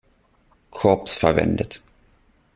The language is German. Korps verwendet.